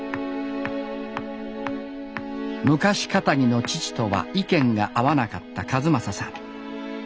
昔かたぎの父とは意見が合わなかった一正さん。